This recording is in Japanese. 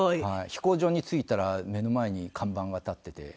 飛行場に着いたら目の前に看板が立ってて。